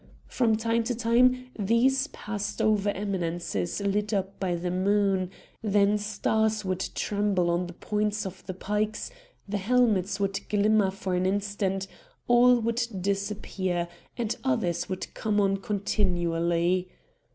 From time to time these passed over eminences lit up by the moon; then stars would tremble on the points of the pikes, the helmets would glimmer for an instant, all would disappear, and others would come on continually.